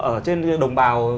ở trên đồng bào